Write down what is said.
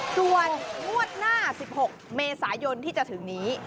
ส่วนงวดหน้า๑๖เมษายนที่จะถึงนี้